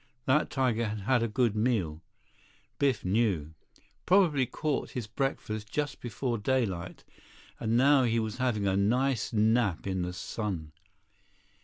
That tiger had had a good meal, Biff knew. Probably caught his breakfast just before daylight, and now he was having a nice nap in the sun.